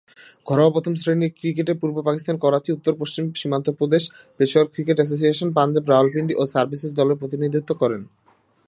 ঘরোয়া প্রথম-শ্রেণীর ক্রিকেটে পূর্ব পাকিস্তান, করাচি, উত্তর-পশ্চিম সীমান্ত প্রদেশ, পেশাওয়ার ক্রিকেট অ্যাসোসিয়েশন, পাঞ্জাব, রাওয়ালপিন্ডি ও সার্ভিসেস দলের প্রতিনিধিত্ব করেন।